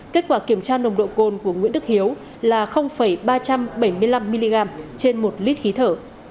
kết quả kiểm tra nồng độ cồn của nguyễn đức hiếu là ba trăm bảy mươi năm mg trên một lít khí thở